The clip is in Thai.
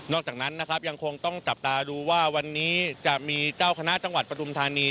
จากนั้นนะครับยังคงต้องจับตาดูว่าวันนี้จะมีเจ้าคณะจังหวัดปฐุมธานี